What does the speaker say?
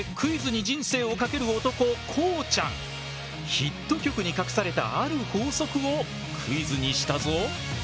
ヒット曲に隠されたある法則をクイズにしたぞ。